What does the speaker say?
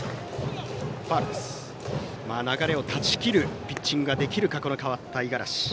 流れを断ち切るピッチングができるか代わった五十嵐。